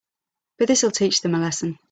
But this'll teach them a lesson.